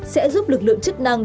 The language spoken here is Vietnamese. sẽ giúp lực lượng chức năng